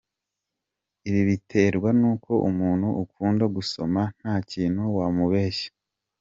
Ibi biterwa n’uko, umuntu ukunda gusoma nta kintu wamubeshya.